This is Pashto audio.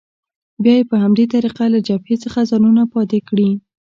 بیا یې په همدې طریقه له جبهې څخه ځانونه پاتې کړي.